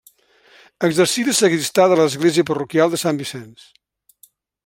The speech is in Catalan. Exercí de sagristà de l'església parroquial de Sant Vicenç.